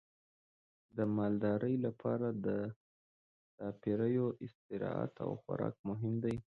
د مالدارۍ لپاره د څارویو استراحت او خوراک مهم دی.